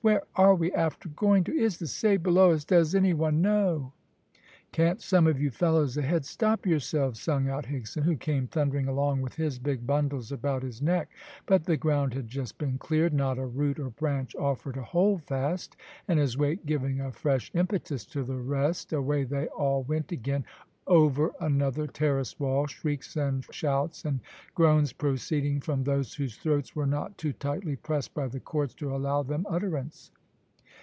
"Where are we after going to? Is the say below us, does any one know?" "Can't some of you fellows ahead stop yourselves?" sung out Higson, who came thundering along with his big bundles about his neck; but the ground had just been cleared, not a root or branch offered a holdfast, and his weight giving a fresh impetus to the rest away they all went again over another terrace wall, shrieks and shouts and groans proceeding from those whose throats were not too tightly pressed by the cords to allow them utterance.